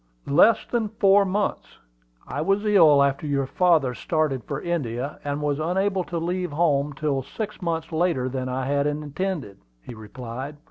"Less than four months. I was ill after your father started for India, and was unable to leave home till six months later than I had intended," he replied.